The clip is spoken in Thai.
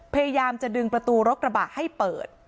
พยายามจะดึงประตูรถกระบะให้เปิด